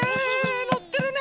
のってるね！